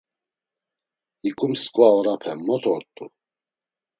Hiǩu msǩva orape mot ort̆u?